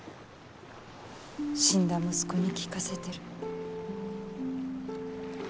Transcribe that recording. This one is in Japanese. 死んだ息子に聴かせてる。